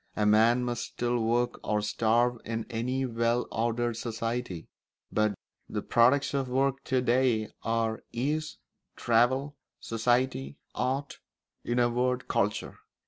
A man must still work or starve in any well ordered society; but the products of work to day are ease, travel, society, art, in a word, culture.